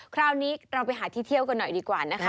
คราวนี้เราไปหาที่เที่ยวกันหน่อยดีกว่านะคะ